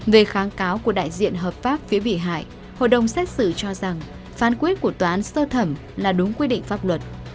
về kháng cáo của đại diện hợp pháp phía bị hại hội đồng xét xử cho rằng phán quyết của tòa án sơ thẩm là đúng quy định pháp luật